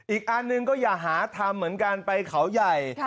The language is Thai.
อีกอันหนึ่งก็อย่าหาทำเหมือนกันไปเขาใหญ่